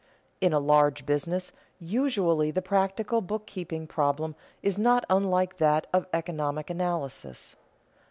In a large business usually the practical bookkeeping problem is not unlike that of economic analysis.